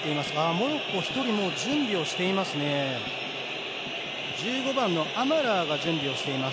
モロッコ１人、準備をしています。